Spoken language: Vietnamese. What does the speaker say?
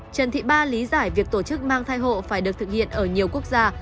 trần thị ba lý giải việc tổ chức mang thai hộ phải được thực hiện ở nhiều quốc gia